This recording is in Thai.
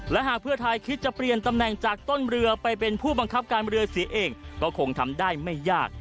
และหากเพื่อไทยคิดจะเปลี่ยนตำแหน่งจากต้นเรือไปเป็นผู้บังคับการเรือเสียเองก็คงทำได้ไม่ยาก